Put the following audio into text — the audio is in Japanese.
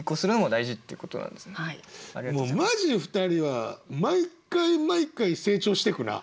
マジで２人は毎回毎回成長していくな。